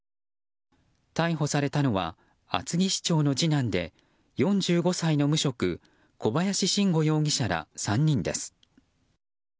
逮捕されたのは厚木市長の次男で４５歳の無職小林伸吾容疑者ら３人です。